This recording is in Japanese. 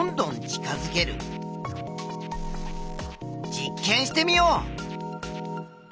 実験してみよう！